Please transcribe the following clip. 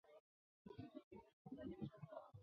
皮斯河被认为是马更些河水系的正源。